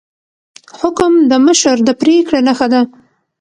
حکم د مشر د پریکړې نښه ده